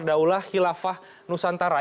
daulah khilafah nusantara